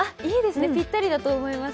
ぴったりだと思います。